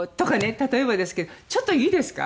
例えばですけどちょっといいですか？